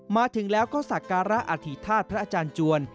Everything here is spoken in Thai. มาถึงแล้วก็สักการะอธิษฐาตุพระอาจารย์จวน